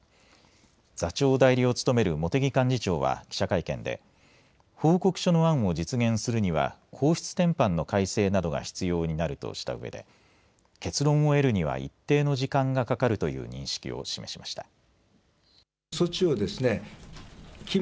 座長代理を務める茂木幹事長は記者会見で報告書の案を実現するには皇室典範の改正などが必要になるとしたうえで結論を得るには一定の時間かかるという認識を示しました。